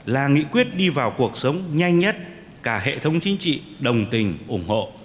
là nghị quyết đi vào cuộc sống nhanh nhất cả hệ thống chính trị đồng tình ủng hộ